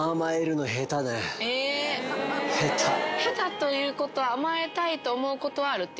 下手ということは甘えたいと思うことはあるっていうことですか？